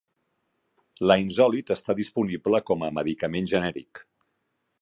Linezolid està disponible com a medicament genèric.